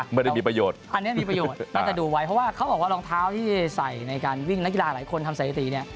เมื่อได้มีประโยชน์น่าจะดูไว้เพราะว่าเขาบอกว่ารองเท้าที่ใส่ในการวิ่งนักกีฬาหลายคนทำสถิติ